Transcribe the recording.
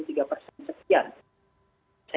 sehingga rasanya itu jadikan salah satu